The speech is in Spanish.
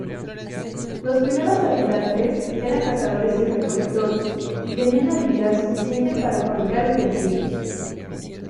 Los primeros habitantes eran cazadores y recolectores, y tenían habilidad suficiente para fabricar utensilios.